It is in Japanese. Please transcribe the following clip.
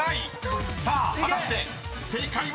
［さあ果たして正解は⁉］